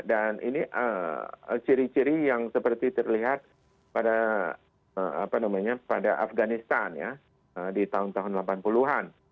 dan ini ciri ciri yang seperti terlihat pada afghanistan di tahun tahun delapan puluh an